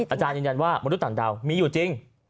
อาจารย์ยืนยันว่ามนุษย์ต่างดาวมีอยู่จริง